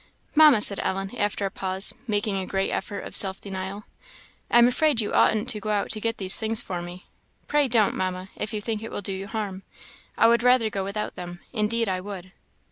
"Mamma," said Ellen, after a pause, making a great effort of self denial, "I am afraid you oughtn't to go out to get these things for me. Pray don't, Mamma, if you think it will do you harm. I would rather go without them; indeed I would."